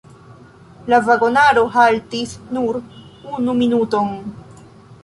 La vagonaro haltis nur unu minuton.